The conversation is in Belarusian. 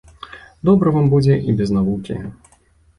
Добра вам будзе і без навукі!